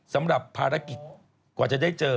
สำหรับภารกิจกว่าจะได้เจอ